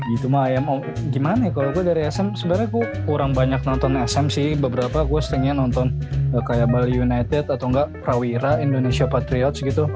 itu mah ayam om gimana kalo gua dari sm sebenernya gua kurang banyak nonton sm sih beberapa gua seringnya nonton kayak bali united atau enggak rawira indonesia patriots gitu